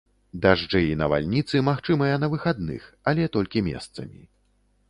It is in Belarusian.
Дажджы і навальніцы магчымыя на выхадных, але толькі месцамі.